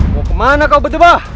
mau kemana kau berdua